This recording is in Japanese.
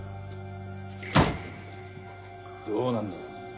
どうなんだ？